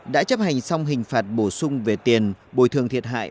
đã chấp hành xong hình phạt bổ sung về tiền bồi thường thiệt hại